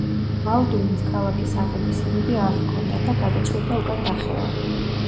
ბალდუინს ქალაქის აღების იმედი არ ჰქონდა და გადაწყვიტა უკან დახევა.